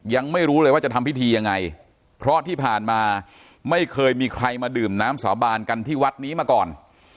ยังไม่รู้เลยว่าจะทำพิธียังไงเพราะที่ผ่านมาไม่เคยมีใครมาดื่มน้ำสาบานกันที่วัดนี้มาก่อน